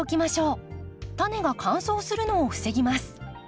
タネが乾燥するのを防ぎます。